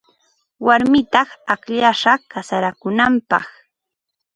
Warmitam akllashaq kasarakunaapaq.